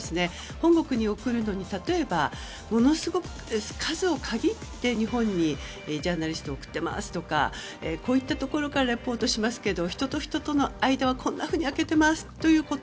本国に送るのに、例えばものすごく数を限って日本にジャーナリストを送ってますとかこういったところからリポートしますけど人と人との間は、こんなふうに開けてますということ。